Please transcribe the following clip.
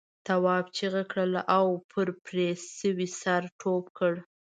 تواب چیغه کړه او پر پرې شوي سر ټوپ کړ.